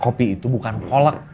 kopi itu bukan kolek